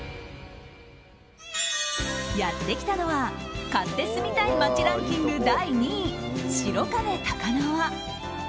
やってきたのは、買って住みたい街ランキング第２位白金高輪。